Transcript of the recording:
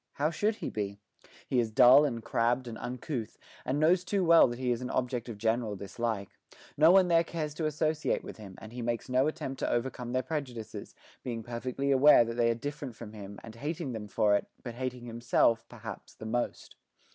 How should he be? He is dull and crabbed and uncouth, and knows too well that he is an object of general dislike; no one there cares to associate with him, and he makes no attempt to overcome their prejudices, being perfectly aware that they are different from him, and hating them for it, but hating himself, perhaps, the most.